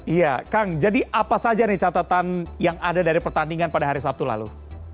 iya kang jadi apa saja nih catatan yang ada dari pertandingan pada hari sabtu lalu